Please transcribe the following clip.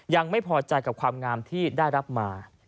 ยังไม่พอใจกับความงามที่ได้รับมา